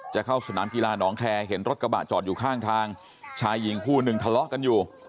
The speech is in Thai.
จะเข้าสนามกีฬาหนองแคร์เห็นรถกระบะจอดอยู่ข้างทางชายหญิงคู่หนึ่งทะเลาะกันอยู่